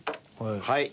はい。